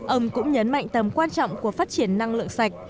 ông cũng nhấn mạnh tầm quan trọng của phát triển năng lượng sạch